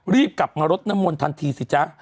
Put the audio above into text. รีบกลับมารดน้ำมนต์ทันทีสิจ๊ะ